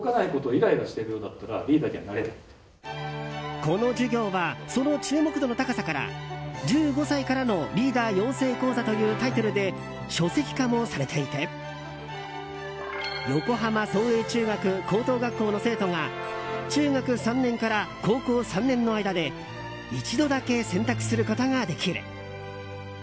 この授業はその注目度の高さから「１５歳からのリーダー養成講座」というタイトルで書籍化もされていて横浜創英中学・高等学校の生徒が中学３年から高校３年の間で一度だけ選択することができる。